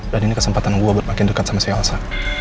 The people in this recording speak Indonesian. dan ini kesempatan gue buat makin dekat sama si elsa